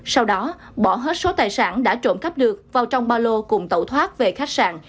sau đó bỏ hết số tài sản đã trộm cắp được vào trong ba lô cùng tẩu thoát về khách sạn